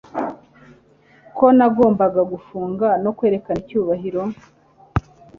ko nagombaga gufunga no kwerekana icyubahiro